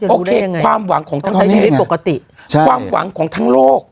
โอเคความหวังของทางไทยความหวังของทางโลก